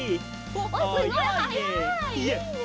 おっすごいはやい！